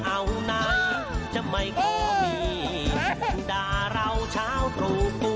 โอ้โฮโอ้โฮ